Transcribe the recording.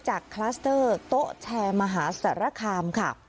คลัสเตอร์โต๊ะแชร์มหาสารคามค่ะ